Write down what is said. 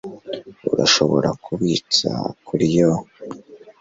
Urashobora kubitsa kuriyo